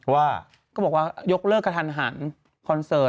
ว่าก็บอกว่ายกเลิกกระทันหันคอนเสิร์ต